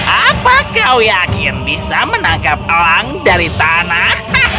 apa kau yakin bisa menangkap elang dari tanah